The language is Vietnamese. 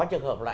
trường hợp là